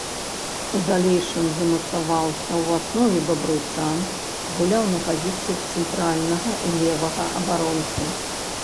У далейшым замацаваўся ў аснове бабруйчан, гуляў на пазіцыях цэнтральнага і левага абаронцы.